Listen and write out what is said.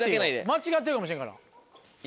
間違ってるかもしれんから。